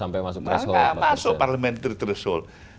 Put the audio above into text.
tidak masuk parliamentary threshold